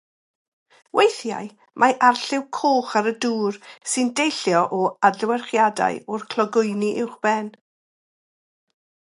Weithiau mae arlliw coch ar y dŵr sy'n deillio o adlewyrchiadau o'r clogwyni uwchben.